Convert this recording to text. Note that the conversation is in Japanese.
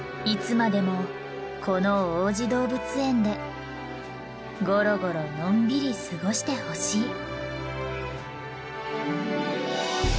いつまでもこの王子動物園でごろごろのんびり過ごしてほしい。